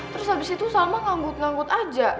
terus habis itu salma nganggut nganggut aja